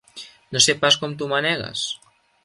No sé pas com t'ho manegues!